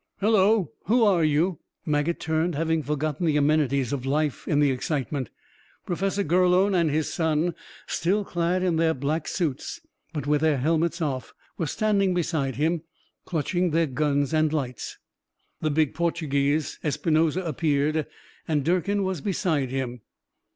"Hello. Who are you?" Maget turned, having forgotten the amenities of life in the excitement. Professor Gurlone and his son, still clad in their black suits, but with their helmets off, were standing beside him, clutching their guns and lights. The big Portuguese, Espinosa, appeared, and Durkin was beside him.